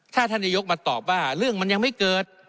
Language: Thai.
ถ้าท่านนายกมาตอบว่าเรื่องมันยังไม่เกิด